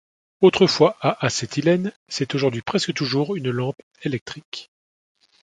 Autrefois à acétylène, c'est aujourd'hui presque toujours une lampe électrique.